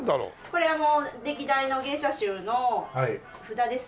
これは歴代の芸者衆の札ですね。